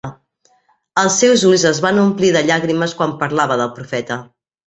Els seus ulls es van omplir de llàgrimes quan parlava del profeta.